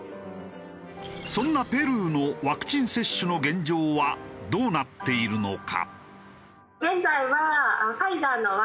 そんなペルーのワクチン接種の現状はどうなっているのか？